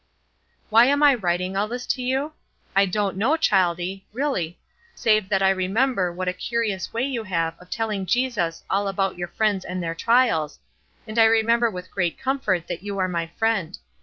"Why am I writing all this to you? I don't, know, childie, really, save that I remember what a curious way you have of telling Jesus all about your friends and their trials, and I remember with great comfort that you are my friend.